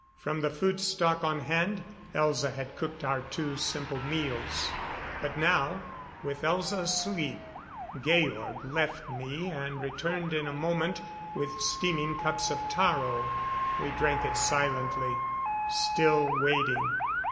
From the food stock on hand, Elza had cooked our two simple meals. But now, with Elza asleep, Georg left me and returned in a moment with steaming cups of taro. We drank it silently, still waiting.